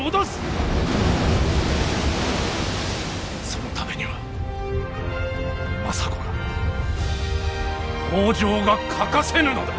そのためには政子が北条が欠かせぬのだ。